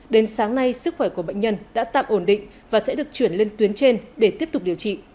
đến sáng nay sức khỏe của bệnh nhân đã tạm ổn định và sẽ được chuyển lên tuyến trên để tiếp tục điều trị